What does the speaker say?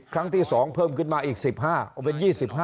ครั้งที่๒เพิ่มขึ้นมาอีก๑๕เอาเป็น๒๕